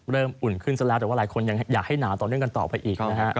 อุ่นขึ้นซะแล้วแต่ว่าหลายคนยังอยากให้หนาวต่อเนื่องกันต่อไปอีกนะฮะ